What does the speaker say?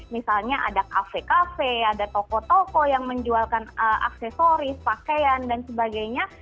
misalnya ada kafe kafe ada toko toko yang menjualkan aksesoris pakaian dan sebagainya